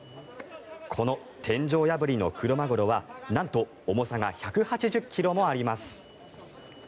この天井破りのクロマグロはなんと重さが１８０ｋｇもあります。